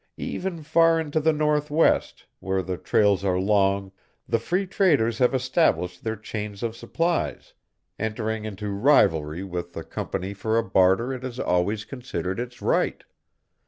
Even far into the Northwest, where the trails are long, the Free Traders have established their chains of supplies, entering into rivalry with the Company for a barter it has always considered its right.